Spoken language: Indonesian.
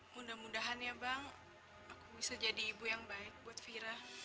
mudah mudahan ya bang aku bisa jadi ibu yang baik buat vira